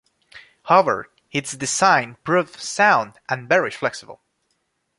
However, its design proved sound and very flexible.